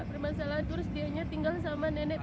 permasalahan itu harus dia tinggal sama nenek nenek